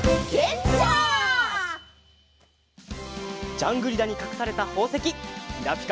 ジャングリラにかくされたほうせききらぴか